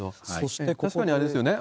確かにあれですよね。